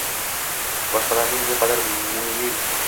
Boqishlaring bu qadar mungli?